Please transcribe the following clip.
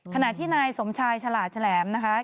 ขณะที่นายสมชายฉลาดแฉลมนะคะ